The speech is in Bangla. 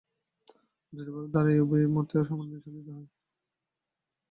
অদ্বৈতবাদের দ্বারা এই উভয় মতের সমন্বয় সাধিত হয়।